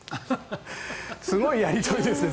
すごいやり取りですね。